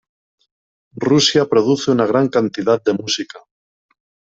Rusia produce una gran cantidad de música.